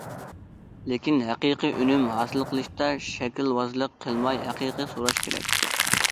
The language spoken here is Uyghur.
لېكىن ھەقىقىي ئۈنۈم ھاسىل قىلىشتا شەكىلۋازلىق قىلماي، ھەقىقىي سوراش كېرەك.